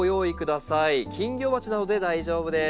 金魚鉢などで大丈夫です。